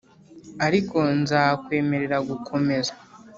ariko nzakwemerera gukomeza.